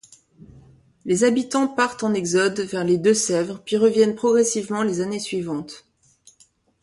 Les habitants partent en exode, vers les Deux-Sèvres, puis reviennent progressivement les années suivantes.